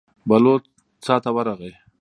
بلوڅ څا ته ورغی.